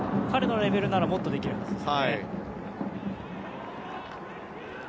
彼のレベルならもっとできるはずです。